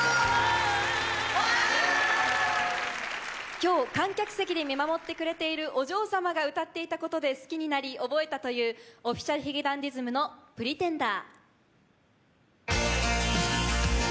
今日観客席で見守ってくれているお嬢さまが歌っていたことで好きになり覚えたという Ｏｆｆｉｃｉａｌ 髭男 ｄｉｓｍ の『Ｐｒｅｔｅｎｄｅｒ』。